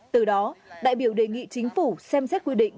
từ đó đại biểu đề nghị chính phủ xem xét quy định